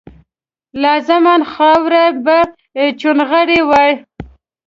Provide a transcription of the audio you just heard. لازما خاوره به چونغره وایي